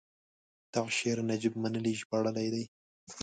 دا شعر نجیب منلي ژباړلی دی: